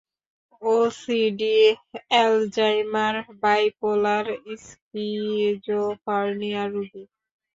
OCD, Alzheimer, bipolar, schizophrenia রোগী।